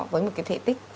với một cái thể tích nhỏ